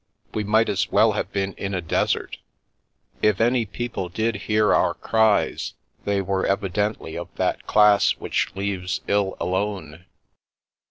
We might as well have been in a desert. If any people did hear our cries they were evidently of that class which leaves ill alone.